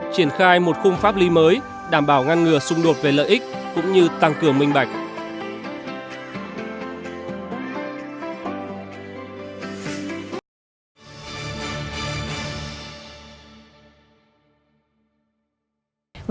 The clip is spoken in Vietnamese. triển khai một khung pháp lý mới đảm bảo ngăn ngừa xung đột về lợi ích cũng như tăng cường minh bạch